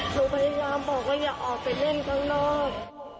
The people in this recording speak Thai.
ลูกแพทยาบังบอกว่าอย่าออกไปเล่นข้างนอก